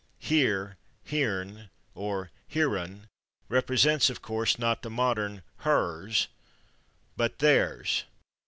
Here /heren/, (or /herun/) represents, of course, not the modern /hers/, but /theirs